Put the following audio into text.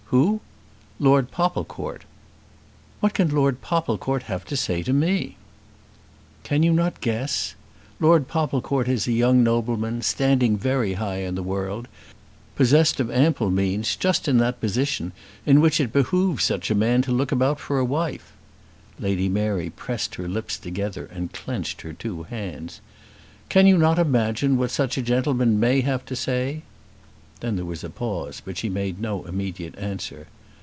"Who?" "Lord Popplecourt." "What can Lord Popplecourt have to say to me?" "Can you not guess? Lord Popplecourt is a young nobleman, standing very high in the world, possessed of ample means, just in that position in which it behoves such a man to look about for a wife." Lady Mary pressed her lips together, and clenched her two hands. "Can you not imagine what such a gentleman may have to say?" Then there was a pause, but she made no immediate answer.